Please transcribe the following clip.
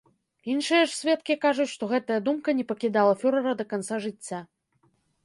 Іншыя ж сведкі кажуць, што гэтая думка не пакідала фюрэра да канца жыцця.